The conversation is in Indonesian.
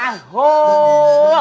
wah ini waktunya sahur